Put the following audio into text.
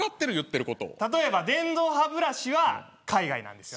例えば電動歯ブラシは海外なんです。